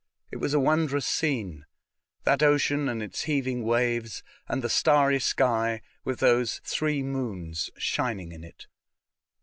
It was a wondrous scene — that ocean and its heaving waves, and the starry sky with those three moons shining in it.